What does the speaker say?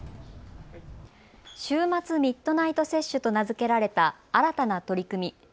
週末ミッドナイト接種と名付けられた新たな取り組み。